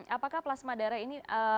apakah plasma darah ini